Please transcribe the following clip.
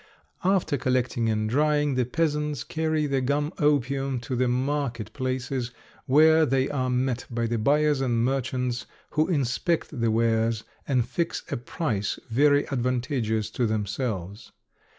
After collecting and drying the peasants carry the gum opium to the market places, where they are met by the buyers and merchants, who inspect the wares and fix a price very advantageous to themselves.